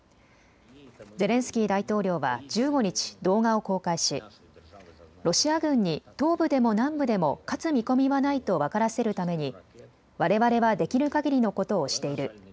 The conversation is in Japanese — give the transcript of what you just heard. ゼレンスキー大統領は１５日、動画を公開し、ロシア軍に東部でも南部でも勝つ見込みはないと分からせるためにわれわれはできるかぎりのことをしている。